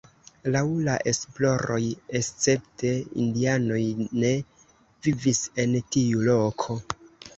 Laŭ la esploroj escepte indianoj ne vivis en tiu loko.